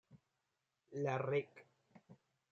La Rec.